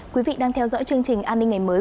quý vị đang theo dõi chương trình an ninh ngày mới